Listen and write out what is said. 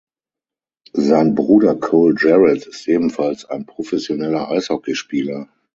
Sein Bruder Cole Jarrett ist ebenfalls ein professioneller Eishockeyspieler.